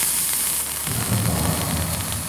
شفاك الله